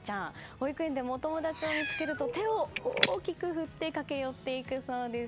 保育園でもお友達を見つけると手を大きく振って駆け寄っていくそうです。